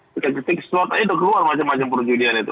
kita ketik slot ya sudah keluar macam macam perjudian itu